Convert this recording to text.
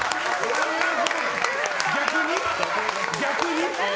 逆に？